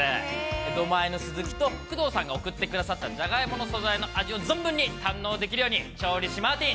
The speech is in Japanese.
江戸前のスズキと工藤さんが送ってくださった、ジャガイモの素材の味を存分に堪能できるように、調理しマーティン。